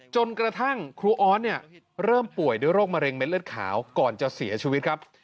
จนกระทั่งครูออสเนี่ยเริ่มป่วยด้วยโรคมะเร็ดเลือดขาวก่อนจะเสียชีวิตครับ